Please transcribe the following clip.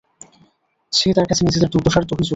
সে তার কাছে নিজেদের দুর্দশার অভিযোগ করল।